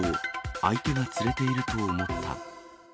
相手が連れていると思った。